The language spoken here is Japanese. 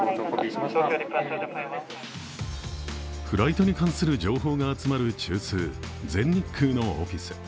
フライトに関する情報が集まる中枢、全日空のオフィス。